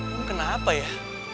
rum kenapa ya